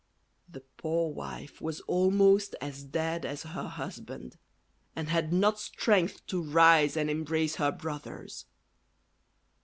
The poor wife was almost as dead as her husband, and had not strength to rise and embrace her brothers.